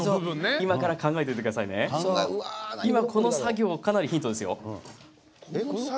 今、この作業かなりヒントです。